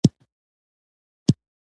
هغې په عملي ژوند کې هم افغانیت ساتلی دی